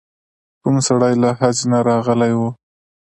کوم سړی له حج نه راغلی و.